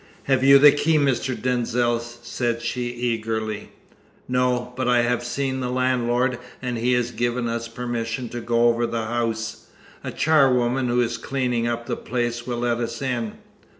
"Have you the key, Mr. Denzil?" said she eagerly. "No; but I have seen the landlord, and he has given us permission to go over the house. A charwoman who is cleaning up the place will let us in."